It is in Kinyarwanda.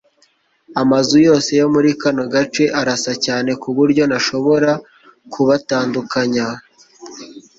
Amazu yose yo muri kano gace arasa cyane kuburyo ntashobora kubatandukanya